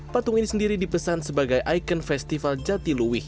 patung ini sendiri dipesan sebagai ikon festival jatiluwih